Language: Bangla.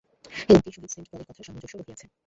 এই উক্তির সহিত সেণ্ট পলের কথার সামঞ্জস্য রহিয়াছে।